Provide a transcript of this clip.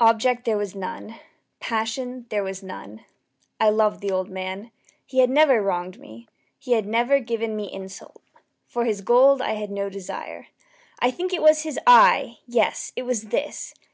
Object there was none. Passion there was none. I loved the old man. He had never wronged me. He had never given me insult. For his gold I had no desire. I think it was his eye! yes, it was this!